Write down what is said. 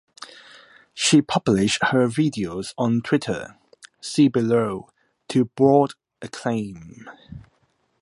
She published her videos on Twitter (see below) to broad acclaim.